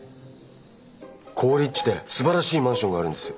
好立地ですばらしいマンションがあるんです。